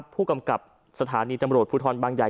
ผู้กำกับสถานีตำรวจภูทรบางใหญ่